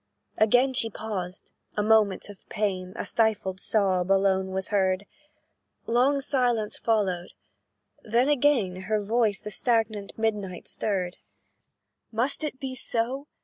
Again she paused; a moan of pain, A stifled sob, alone was heard; Long silence followed then again Her voice the stagnant midnight stirred. "Must it be so?